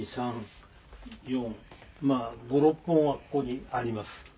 「まあ５６本はここにあります」